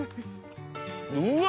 うわ！